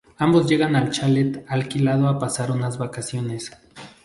Ambos llegan al chalet alquilado a pasar unas vacaciones.